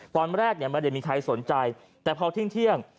ตอนแรกไม่ได้มีใครสนใจแต่พอเที่ยง